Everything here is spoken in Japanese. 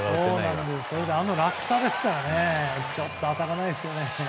そして、あの落差ですからちょっと当たらないですよね。